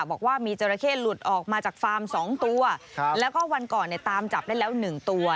บอกว่ามีจราเข้หลุดออกมาจากฟาร์มสองตัวครับแล้วก็วันก่อนเนี่ยตามจับได้แล้วหนึ่งตัว